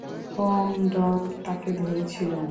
উম, Don তাকে ধরেছিল।